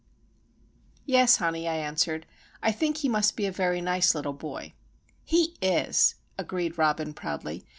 "Yes, honey," I answered. "I think he must be a very nice little boy." "He is," agreed Robin, proudly.